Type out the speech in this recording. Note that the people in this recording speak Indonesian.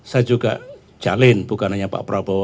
saya juga jalin bukan hanya pak prabowo